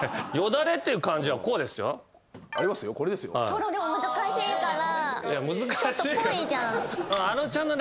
ほらでも難しいから。